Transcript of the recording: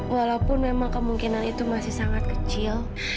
walaupun memang kemungkinan itu masih sangat kecil